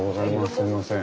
すいません。